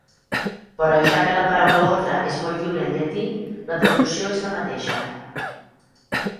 Però ja que la paraula ordre és molt lliure en llatí, la traducció és la mateixa.